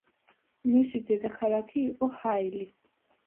მისი დედაქალაქი იყო ჰაილი.